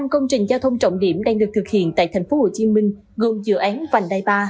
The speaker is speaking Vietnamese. năm công trình giao thông trọng điểm đang được thực hiện tại thành phố hồ chí minh gồm dự án vành đai ba